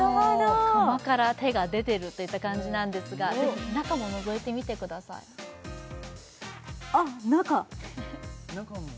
釜から手が出てるといった感じなんですがぜひ中ものぞいてみてくださいあっ中中も？